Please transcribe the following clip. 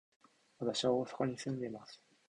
私は大阪に住んでいます。